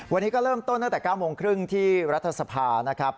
วันนี้ก็เริ่มต้นตั้งแต่๙โมงครึ่งที่รัฐสภานะครับ